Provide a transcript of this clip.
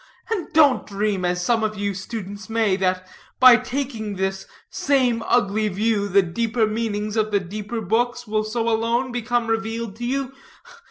And don't dream, as some of you students may, that, by taking this same ugly view, the deeper meanings of the deeper books will so alone become revealed to you.